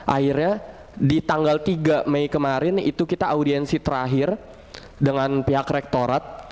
akhirnya di tanggal tiga mei kemarin itu kita audiensi terakhir dengan pihak rektorat